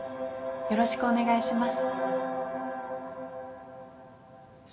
よろしくお願いします。